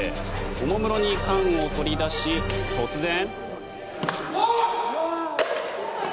おもむろに缶を取り出し突然。